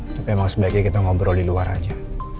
tapi emang sebaiknya kita ngobrol di luar aja